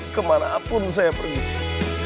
kemana pun saya pergi